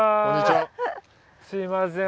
すいません。